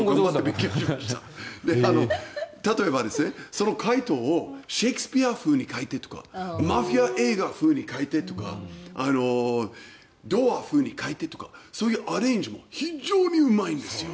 例えば、その回答をシェイクスピア風に書いてとかマフィア映画風に書いてとか童話風に書いてとかそういうアレンジも非常にうまいんですよ。